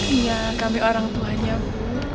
iya kami orang tuanya bu